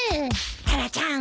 タラちゃん